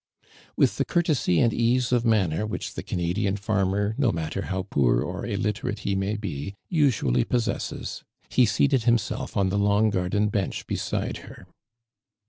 1 With the courtesy and ease ot manner i which the ^ Canadian farmer, no matter iiow I poor or illiterate he may l)o, usually pos 1 sesses, he seated himself on the long garden ! bench beside her.